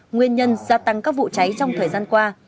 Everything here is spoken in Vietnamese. nguyên nhân gia tăng các vụ cháy trong thời gian qua